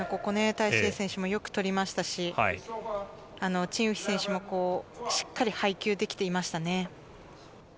タイ・シエイ選手もよく取りましたし、チン・ウヒ選手もしっかりと配球できていましたね。